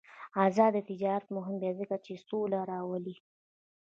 آزاد تجارت مهم دی ځکه چې سوله راولي.